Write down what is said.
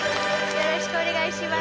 よろしくお願いします。